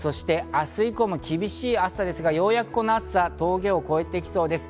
明日以降も厳しい暑さですが、ようやくこの暑さ、峠を越えてきそうです。